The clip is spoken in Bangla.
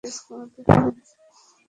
আপনিই তো বলেছিলেন তেজ কমাতে হবে।